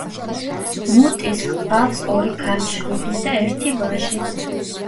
მუტის ჰყავს ორი ქალიშვილი და ერთი ვაჟი.